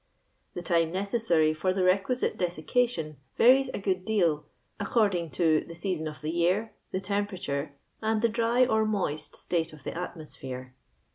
*<Tho time necessary for the requisite desiooatic^n varies a good deal, according to the season of the year, the temperature, and the dry or moist state of tho atmosphoro.